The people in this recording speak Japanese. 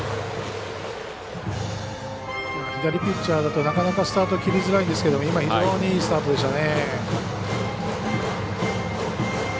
左ピッチャーだとなかなかスタート切りづらいんですけど非常にいいスタートでしたね。